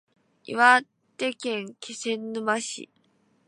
岩手県気仙沼市